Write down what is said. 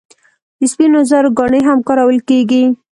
د سپینو زرو ګاڼې هم کارول کیږي.